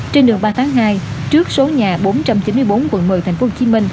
trên đường ba tháng hai trước số nhà bốn trăm chín mươi bốn quận một mươi tp hcm